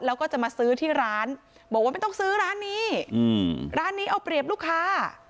แล้วก็จะมาซื้อที่ร้านบอกว่าไม่ต้องซื้อร้านนี้ร้านนี้เอาเปรียบลูกค้า